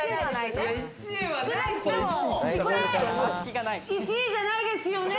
これ１位じゃないですよね！？